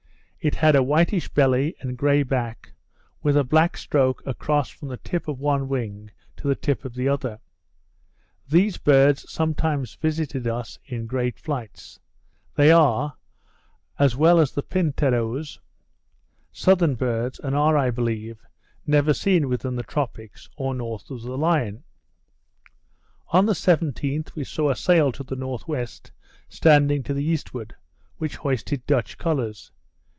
It has a whitish belly, and grey back, with a black stroke across from the tip of one wing to the tip of the other. These birds sometimes visited us in great flights. They are, as well as the pintadoes, southern birds; and are, I believe, never seen within the tropics, or north of the Line. On the 17th, we saw a sail to the N.W., standing to the eastward, which hoisted Dutch colours.